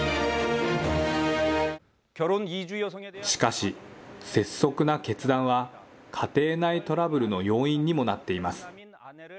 しかし、拙速な決断は家庭内トラブルの要因にもなっています。